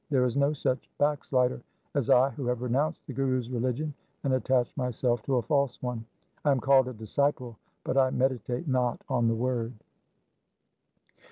There is no such backslider as I who have renounced the Guru's religion and attached myself to a false one. I am called a disciple, but I meditate not on the Word.